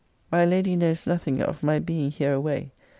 My lady knows nothing of my being hereaway.